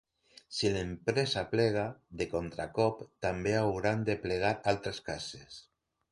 Si l'empresa plega, de contracop també hauran de plegar altres cases.